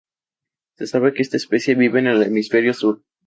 Se sabe que esta especie vive en el hemisferio sur.